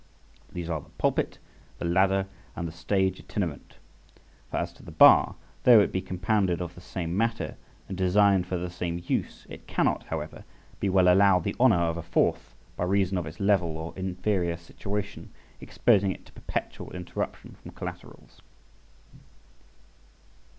These are the Pulpit, the Ladder, and the Stage itinerant. For as to the Bar, though it be compounded of the same matter and designed for the same use, it cannot, however, be well allowed the honour of a fourth, by reason of its level or inferior situation exposing it to perpetual interruption from collaterals.